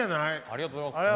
ありがとうございます。